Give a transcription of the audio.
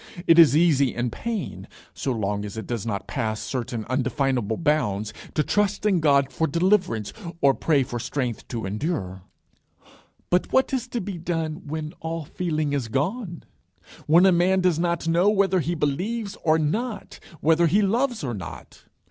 It is easy in pain, so long as it does not pass certain undefinable bounds, to hope in God for deliverance, or pray for strength to endure. But what is to be done when all feeling is gone? when a man does not know whether he believes or not, whether he loves or not?